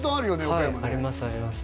岡山ねはいありますあります